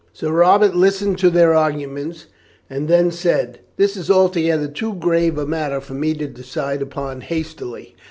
Sir Robert listened to their arguments, and then said: "This is altogether too grave a matter for me to decide upon hastily.